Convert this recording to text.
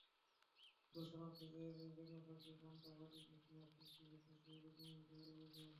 দর্শনার্থীদের জন্য থাকবে পান্তা ভাত, ইলিশ মাছ, শুঁটকি ভর্তাসহ রকমারি খাবারের আয়োজন।